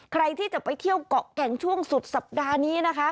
ใครที่จะไปเที่ยวเกาะแก่งช่วงสุดสัปดาห์นี้นะคะ